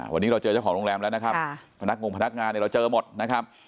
วันนี้เราเจอเจ้าของโรงแรมแล้วนะครับพนักงงพนักงานเนี่ยเราเจอหมดนะครับ